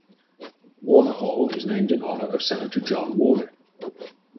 Warner Hall is named in honor of Senator John Warner.